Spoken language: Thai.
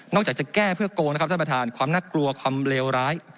จากจะแก้เพื่อโกงนะครับท่านประธานความน่ากลัวความเลวร้าย